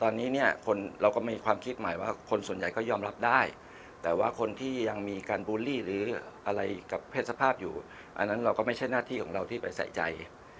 ตอนนี้เนี่ยคนเราก็มีความคิดใหม่ว่าคนส่วนใหญ่ก็ยอมรับได้แต่ว่าคนที่ยังมีการบูลลี่หรืออะไรกับเพศสภาพอยู่อันนั้นเราก็ไม่ใช่หน้าที่ของเราที่ไปใส่ใจ